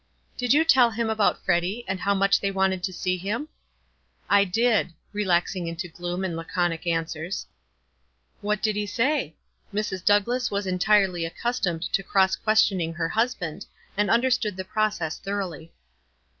"Did you tell him about Freddy, and how much they wanted to see him?" " I did," relaxing into gloom and laconic an swers. " "What did he say ?" Mrs. Douglass was en tirely accustomed to cross questioning her hus band, and understood the process thoroughly.